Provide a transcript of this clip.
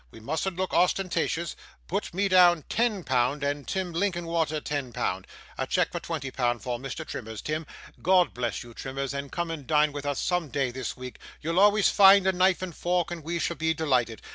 We mustn't look ostentatious; put me down ten pound, and Tim Linkinwater ten pound. A cheque for twenty pound for Mr. Trimmers, Tim. God bless you, Trimmers and come and dine with us some day this week; you'll always find a knife and fork, and we shall be delighted.